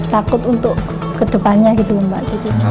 takut untuk kedepannya gitu lho mbak